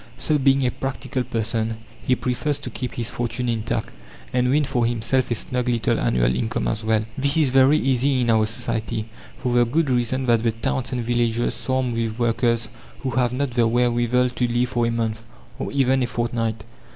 So, being a "practical person," he prefers to keep his fortune intact, and win for himself a snug little annual income as well. This is very easy in our society, for the good reason that the towns and villages swarm with workers who have not the wherewithal to live for a month, or even a fortnight.